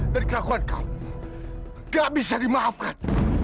dari kelakuan kau nggak bisa dimaafkan